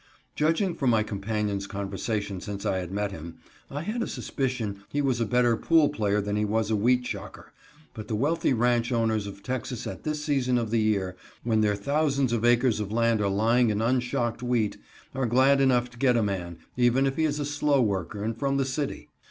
Judging from my companion's conversation since I had met him, I had a suspicion he was a better pool player than he was wheat shocker, but the wealthy ranch owners of Texas at this season of the year, when their thousands of acres of land are lying in unshocked wheat, are glad enough to get a man, even if he is a slow worker and from the city.